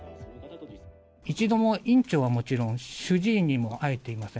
一度も院長はもちろん、主治医にも会えていません。